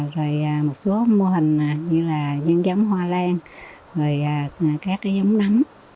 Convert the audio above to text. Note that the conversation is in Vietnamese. rồi một số mô hình như là nhân giấm hoa lan rồi các cái giấm nấm